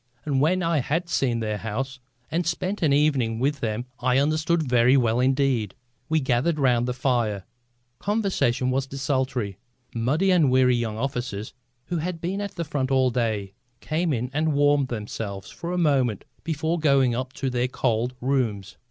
And when I had seen their house and spent an evening with them I understood very well indeed. We gathered round the fire; conversation was desultory. Muddy and weary young officers, who had been at the front all day, came in and warmed themselves for a moment before going up to their cold rooms.